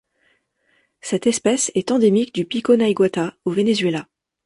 Cette espèce est endémique du pico Naiguatá au Venezuela.